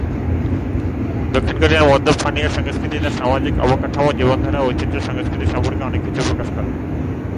দক্ষিণ কোরিয়ার মদ্যপ-পানীয় সংস্কৃতি তার সামাজিক কাঠামো, জীবনধারা, ঐতিহ্য, সংস্কৃতি সম্পর্কে অনেক কিছু প্রকাশ করে।